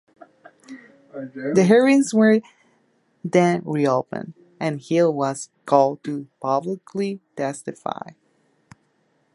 The hearings were then reopened, and Hill was called to publicly testify.